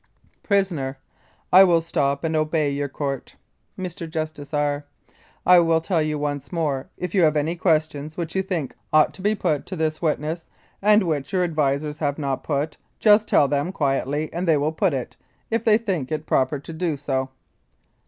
PRISONER: I will stop and obey your Court. Mr. JUSTICE R. : I will tell you once more, if you have any questions which you think ought to be put to this witness, and which your advisers have not put, just tell them quietly and they will put it, if they think it proper to do so.